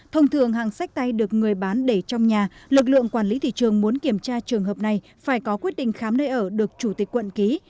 thông thường hàng sách tay được người bán để trong nhà lực lượng quản lý thị trường muốn kiểm tra trường hợp này phải có quyết định khám nơi ở được chủ tịch quận ký